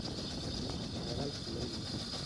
A mi m'agrada el color lila